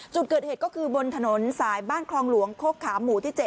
จุดเกิดเหตุก็คือบนถนนสายบ้านคลองหลวงโคกขามหมู่ที่๗